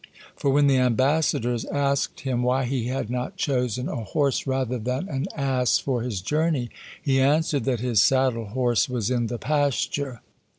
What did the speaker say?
For when the ambassadors asked him why he had not chosen a horse rather than an ass for his journey, he answered that his saddle horse was in the pasture.